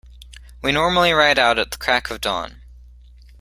We normally ride out at the crack of dawn.